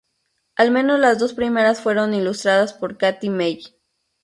Al menos las dos primeras fueron ilustradas por Katie May.